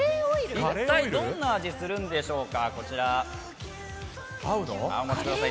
一体どんな味がするんでしょうか。